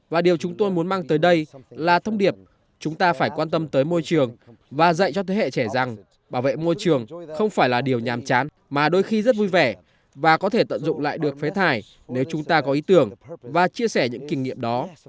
và điều chúng tôi muốn mang tới đây là thông điệp chúng ta phải quan tâm tới môi trường và dạy cho thế hệ trẻ rằng bảo vệ môi trường không phải là điều nhàm chán mà đôi khi rất vui vẻ và có thể tận dụng lại được phế thải nếu chúng ta có ý tưởng và chia sẻ những kinh nghiệm đó